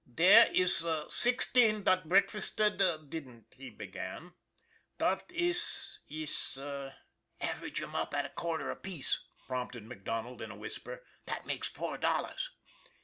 " Dere iss sixteen dot breakfasted didn'd," he began. " Dot iss iss "" Average 'em up at a quarter apiece," prompted MacDonald in a whisper. " That makes four dol lars."